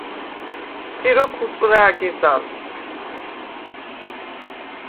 “სი როქუ̂ უწუ̂რა̄̈ გეზალ!”